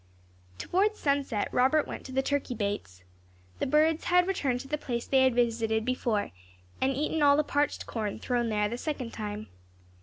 Towards sunset Robert went to the turkey baits; the birds had returned to the place they had visited before, and eaten all the parched corn thrown there the second time.